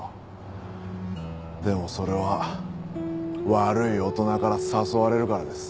でもそれは悪い大人から誘われるからです。